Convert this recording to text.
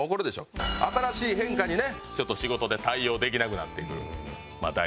新しい変化にねちょっと仕事で対応できなくなってくる。